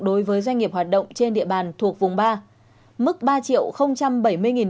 đối với doanh nghiệp hoạt động trên địa bàn thuộc vùng ba mức ba bảy mươi đồng một tháng